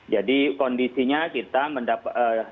jadi kondisinya kita mendapatkan